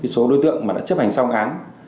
số đối tượng đã chấp hành xong án